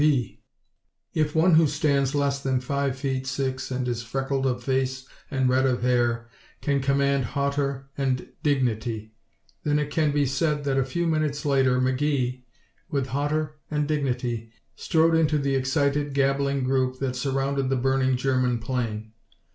2 If one who stands less than five feet six and is freckled of face and red of hair can command hauteur and dignity, then it can be said that a few minutes later McGee, with hauteur and dignity, strode into the excited, gabbling group that surrounded the burning German plane.